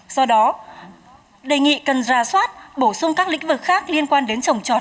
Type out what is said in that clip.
do đó đề nghị cần ra soát bổ sung các lĩnh vực khác liên quan đến trồng trọt